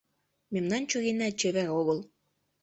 Мемнан чурийна чевер огыл